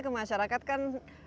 ke masyarakat kan